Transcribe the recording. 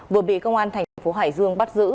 vừa bị công an thành phố hải dương bắt giữ